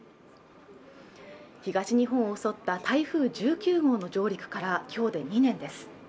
東日本を襲った台風１９号の上陸から今日で２年です